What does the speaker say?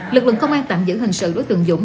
lực lượng công an tạm giữ hình sự đối tượng dũng